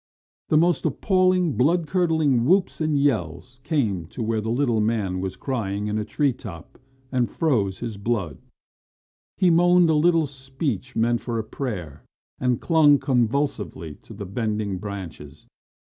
The most appalling, blood curdling whoops and yells came to where the little man was crying in a treetop and froze his blood. He moaned a little speech meant for a prayer and clung convulsively to the bending branches.